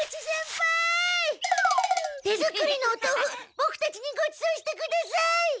手作りのおとうふボクたちにごちそうしてください！